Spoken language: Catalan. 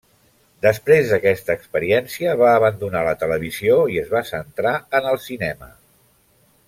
Després d'aquesta experiència va abandonar la televisió i es va centrar en el cinema.